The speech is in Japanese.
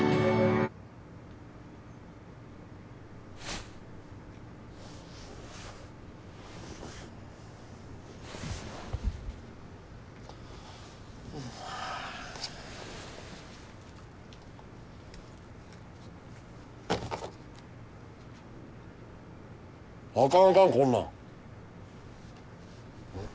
あかんあかんこんなん。